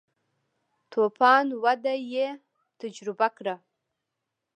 تو فان وده یې تجربه کړه.